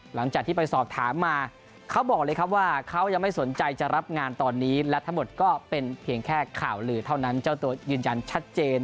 หลังจากที่ไปสอบถามมาเขาบอกเลยครับว่าเขายังไม่สนใจจะรับงานตอนนี้และทั้งหมดก็เป็นเพียงแค่ข่าวลือเท่านั้นเจ้าตัวยืนยันชัดเจน